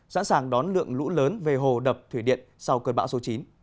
sẵn sàng đón lượng lũ lớn về hồ đập thủy điện sau cơn bão số chín